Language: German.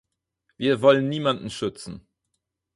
Wir wollen niemanden schützen.